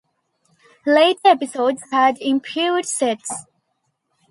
Later episodes had improved sets.